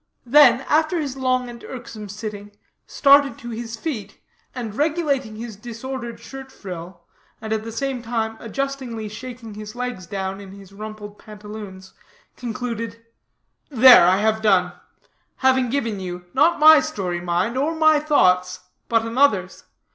Then, after his long and irksome sitting, started to his feet, and regulating his disordered shirt frill, and at the same time adjustingly shaking his legs down in his rumpled pantaloons, concluded: "There, I have done; having given you, not my story, mind, or my thoughts, but another's.